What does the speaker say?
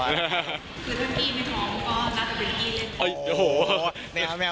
คือถ้าบีนไม่ห่วงก็กาจะเป็นกี่เล่น